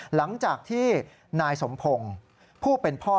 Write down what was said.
หลังจากที่นายสมพงศ์ผู้เป็นพ่อ